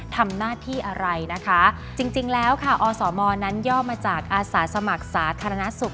ทำหน้าที่อะไรนะคะจริงแล้วค่ะอสมนั้นย่อมาจากอาสาสมัครสาธารณสุข